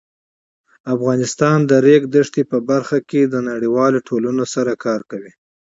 افغانستان د د ریګ دښتې په برخه کې نړیوالو بنسټونو سره کار کوي.